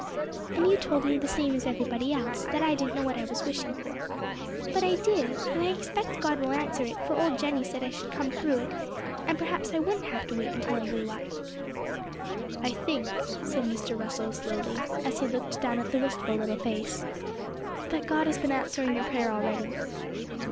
'And you told me the same as everybody else that I didn't know what I was wishing for. But I did, and I expect God will answer it; for old Jenny said I should come through it, and perhaps I wouldn't have to wait till I grew up.' 'I think,' said Mr. Russell slowly, as he looked down at the wistful little face, 'that God has been answering your prayer already.'